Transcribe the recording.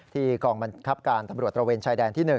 กองบังคับการตำรวจตระเวนชายแดนที่๑